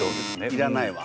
いらないわ。